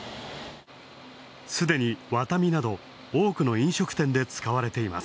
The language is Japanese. すでにワタミなど多くの飲食店で使われています。